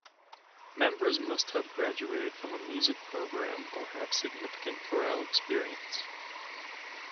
Members must have graduated from a music program or have significant choral experience.